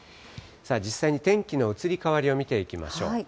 実際に天気の移り変わりを見ていきましょう。